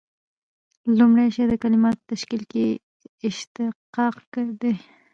لومړی شی د کلیماتو په تشکیل کښي اشتقاق دئ.